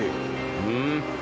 うん？